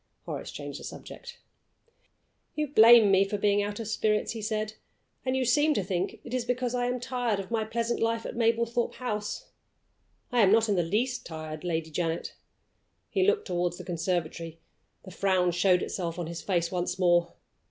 Horace changed the subject. "You blame me for being out of spirits," he said; "and you seem to think it is because I am tired of my pleasant life at Mablethorpe House. I am not in the least tired, Lady Janet." He looked toward the conservatory: the frown showed itself on his face once more.